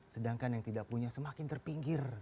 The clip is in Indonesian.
sedangkan yang tidak punya semakin terpinggir